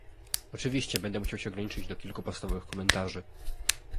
Oczywiście będę musiał ograniczyć się do kilku podstawowych komentarzy